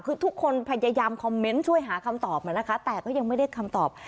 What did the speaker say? คือทุกคนพยายามคอมเมนต์ช่วยหาคำตอบมานะคะแต่ก็ยังไม่ได้คำตอบ